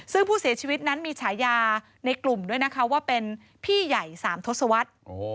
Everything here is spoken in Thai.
ซึ่งผู้เสียชีวิตนั้นมีฉายาในกลุ่มด้วยนะคะว่าเป็นพี่ใหญ่๓ทศวรรษ